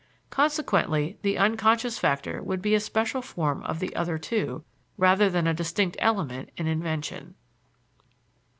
Consequently, the unconscious factor would be a special form of the other two rather than a distinct element in invention.